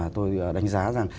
tôi đánh giá rằng